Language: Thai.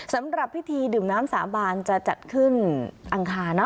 สำหรับพิธีดื่มน้ำสาบานจะจัดขึ้นอังคาร